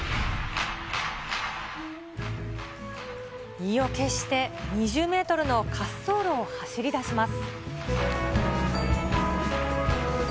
意を決して、２０メートルの滑走路を走り出します。